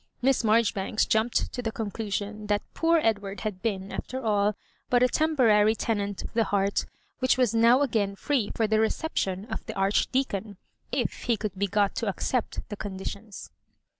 Miss Marjoribanks jumped to the con clusion that "poor Edward" had been, after all, but a temporary tenant of the heart, which was now again free for the reception of the Archdea con, if he could be got to accept the conditions.